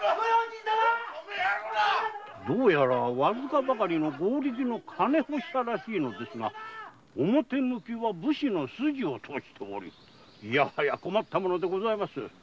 どうやらわずかばかりの金欲しさらしいのですが表向きは武士の筋をとおしており困ったことでございます。